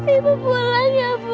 ibu pulang ya bu